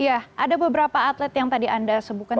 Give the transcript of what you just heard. iya ada beberapa atlet yang tadi anda sebutkan